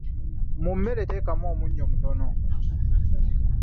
Mu mmere teekamu omunnyu mutono.